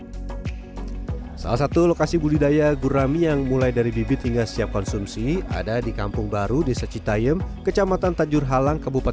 kepala harus dia bawah jadi dia harus kita balikan kenapa biar dia enggak banyak apa